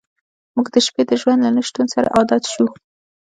موږ د شپې د ژوند له نشتون سره عادت شو